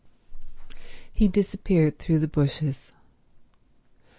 He disappeared through the bushes.